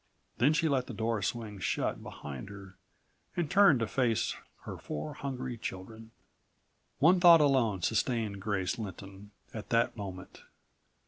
Then she let the door swing shut behind her, and turned to face her four hungry children. One thought alone sustained Grace Lynton at that moment.